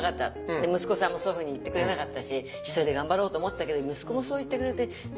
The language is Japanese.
で息子さんもそういうふうに言ってくれなかったし一人で頑張ろうと思ったけど息子もそう言ってくれてと思います私。